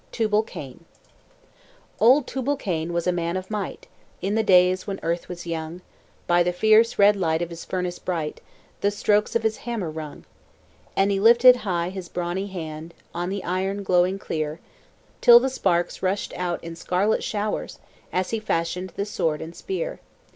TUBAL CAIN Old Tubal Cain was a man of might, In the days when earth was young; By the fierce red light of his furnace bright, The strokes of his hammer rung: And he lifted high his brawny hand On the iron glowing clear, Till the sparks rushed out in scarlet showers, As he fashioned the sword and spear.